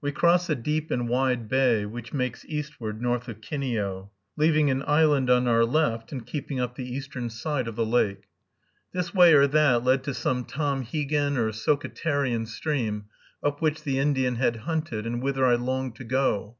We crossed a deep and wide bay which makes eastward north of Kineo, leaving an island on our left, and keeping up the eastern side of the lake. This way or that led to some Tomhegan or Socatarian stream, up which the Indian had hunted, and whither I longed to go.